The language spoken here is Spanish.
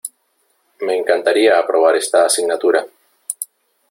Me encantaría aprobar esta asignatura.